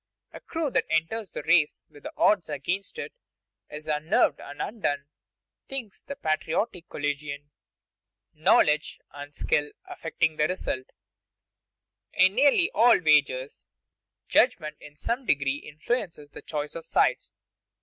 A crew that enters the race with the odds against it is unnerved and undone, thinks the patriotic collegian. [Sidenote: Knowledge and skill affecting the result] In nearly all wagers, judgment in some degree influences the choice of sides.